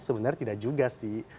sebenarnya tidak juga sih